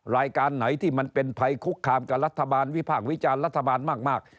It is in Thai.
รายการไหนที่มันเป็นภัยคุกคามกับรัฐบาลวิพากษ์วิจารณ์รัฐบาลมาก